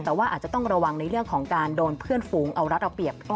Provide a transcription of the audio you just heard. แต่ว่าอาจจะต้องระวังในเรื่องของการโดนเพื่อนฝูงเอารัดเอาเปรียบ